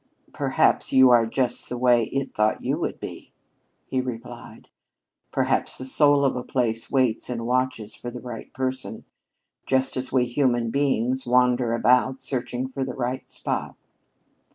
"Perhaps you are just the way it thought you would be," he replied. "Perhaps the soul of a place waits and watches for the right person, just as we human beings wander about searching for the right spot."